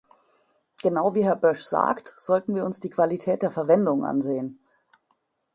Genau wie Herr Bösch sagt, sollten wir uns die Qualität der Verwendung ansehen.